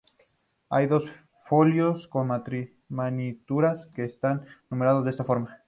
Hay dos folios con miniaturas que están numerados de esta forma.